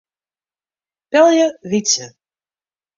Belje Wytse.